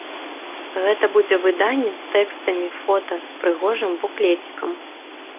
Гэта будзе выданне з тэкстамі, фота, з прыгожым буклецікам.